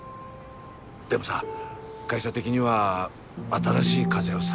でもさ会社的には新しい風をさ